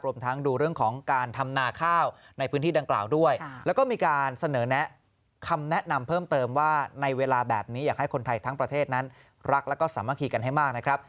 รวมทั้งดูเรื่องของการทำนาข้าวในพื้นที่ดังกล่าวด้วยแล้วก็มีการเสนอแนะคำแนะนำเพิ่มเติมว่าในเวลาแบบนี้อยากให้คนไทยทั้งประเทศนั้นรักแล้วก็สามัคคีกันให้มากนะครับ